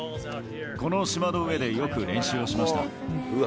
この芝の上でよく練習をしました。